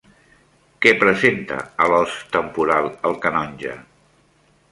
Què presenta a l'os temporal el canonge?